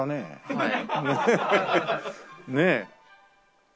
はい。